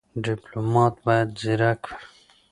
ډيپلومات بايد ځيرک وي.